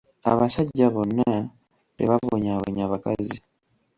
Abasajja bonna tebabonyaabonya bakazi.